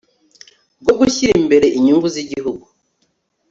rwo gushyira imbere inyungu z'igihugu